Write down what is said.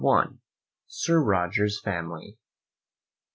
SIR ROGER'S FAMILY.